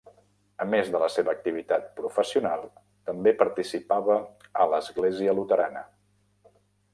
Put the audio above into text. A més de la seva activitat professional, també participava a l'església luterana.